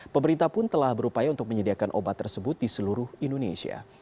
pemerintah pun telah berupaya untuk menyediakan obat tersebut di seluruh indonesia